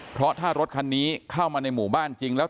เพราะถ้ารถคันนี้เข้ามาในหมู่บ้านจริงแล้ว